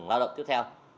lao động tiếp theo